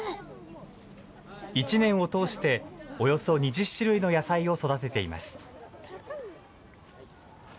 １年を通して、およそ２０種類の野菜を育てています。